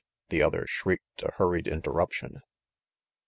the other shrieked a hurried interruption.